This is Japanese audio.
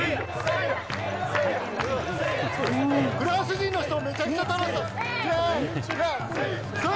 フランス人の人もめちゃくちゃ楽しそう。